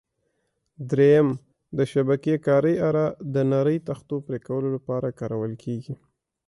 درېیم: د شبکې کارۍ اره: د نرۍ تختو پرېکولو لپاره کارول کېږي.